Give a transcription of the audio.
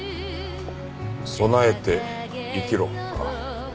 備えて生きろか。